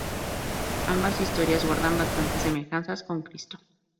Ambas historias guardan bastantes semejanzas con Cristo.